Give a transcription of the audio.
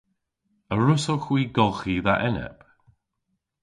A wrussowgh hwi golghi dha enep?